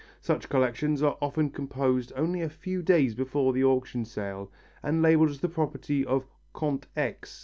Such collections are often composed only a few days before the auction sale and labelled as the property of Conte X.